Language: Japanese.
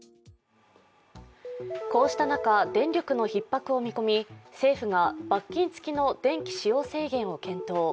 こうした中、電力のひっ迫を見込み、政府が罰金付きの電気使用制限を検討。